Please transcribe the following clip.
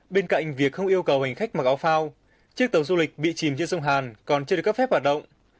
bên cạnh việc không yêu cầu hành khách mặc áo phao chiếc tàu du lịch bị chìm trên sông hàn còn chưa được cấp phép hoạt động